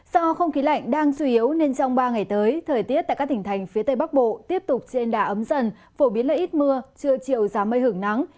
do không khí lạnh đang suy yếu nên trong ba ngày tới thời tiết tại các thỉnh thành phía tây bắc bộ tiếp tục trên đá ấm dần phổ biến là ít mưa chưa chịu giá mây hưởng nắng